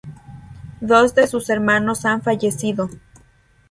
Dos de sus hermanos han fallecido.